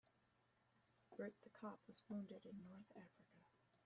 Bert the cop was wounded in North Africa.